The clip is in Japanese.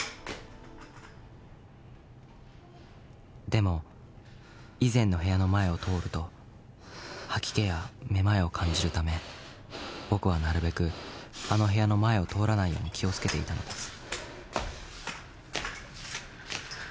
［でも以前の部屋の前を通ると吐き気や目まいを感じるため僕はなるべくあの部屋の前を通らないように気を付けていたのです］